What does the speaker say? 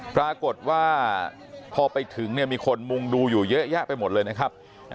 ปรากฏว่าพอไปถึงมีคนมุงดูอยู่เยอะแยะไปหมดเลยนะครับ